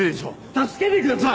助けてください！